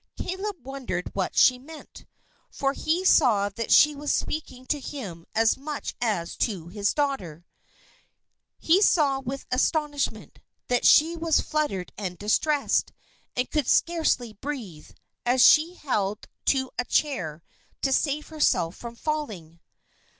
Caleb wondered what she meant, for he saw that she was speaking to him as much as to his daughter. He saw with astonishment, that she was fluttered and distressed, and could scarcely breathe, as she held to a chair to save herself from falling.